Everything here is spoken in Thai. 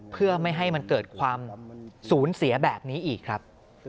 เพื่อไม่ให้มันเกิดความสูญเสียแบบนี้อีกครับ